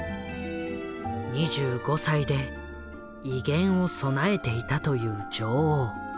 ２５歳で威厳を備えていたという女王。